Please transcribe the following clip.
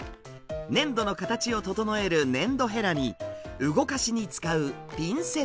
粘土の形を整える粘土ヘラに動かしに使うピンセット。